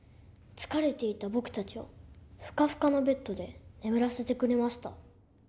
疲れていた僕たちをふかふかのベッドで眠らせてくれました。